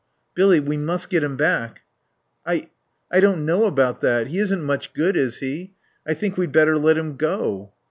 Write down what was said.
"Billy we must get him back." "I I don't know about that. He isn't much good, is he? I think we'd better let him go."